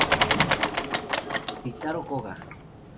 Keitaro Koga